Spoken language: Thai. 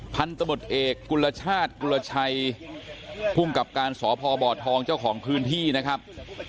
พันธุ์ตมุทธเอกกุณชาติกุณชัยพุ่งกับการสอภอบอดทองเจ้าของพื้นที่นะครับ